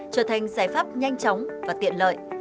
trở thành giải pháp nhanh chóng và tiện lợi